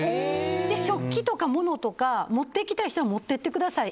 で、食器とか物とか持っていきたい人は持って行ってください